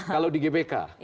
kalau di gbk